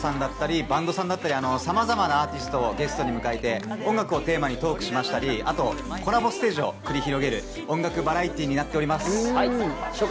ダンスボーカルやバンドさんだったり、さまざまなアーティストをゲストに迎えて音楽をテーマにトークをしましたり、あとコラボステージを繰り広げる音楽バラエティーになっております。